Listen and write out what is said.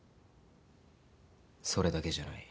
それだけじゃない。